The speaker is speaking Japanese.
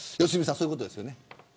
そういうことですよね。